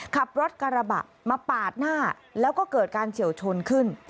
ขับรถกระบะมาปาดหน้าแล้วก็เกิดการเฉียวชนขึ้น